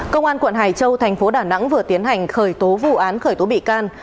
công an quận hải châu thành phố đà nẵng vừa tiến hành khởi tố vụ án khởi tố bị can